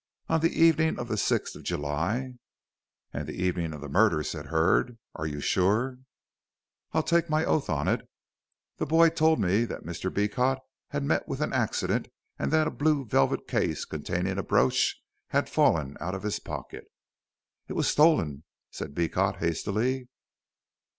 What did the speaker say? On the evening of the sixth of July " "And the evening of the murder," said Hurd; "are you sure?" "I'll take my oath on it. The boy told me that Mr. Beecot had met with an accident and that a blue velvet case containing a brooch had fallen out of his pocket." "It was stolen," said Beecot, hastily.